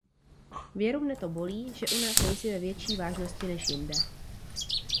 Věru mne to bolí, že u nás nejsi ve větší vážnosti než jinde.